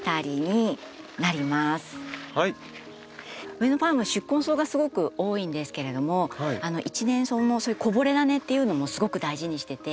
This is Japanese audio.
上野ファーム宿根草がすごく多いんですけれども一年草もそういうこぼれダネっていうのもすごく大事にしてて。